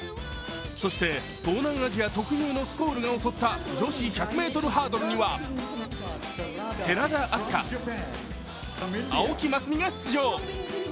そして、東南アジア特有のスコールが襲った女子１００ｍハードルには寺田明日香、青木益未が出場。